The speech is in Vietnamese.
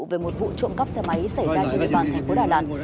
về một vụ trộm cắp xe máy xảy ra trên địa bàn thành phố đà lạt